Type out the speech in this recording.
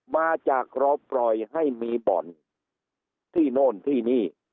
มาจากเราปล่อยให้มีบ่อนที่โน่นที่นี่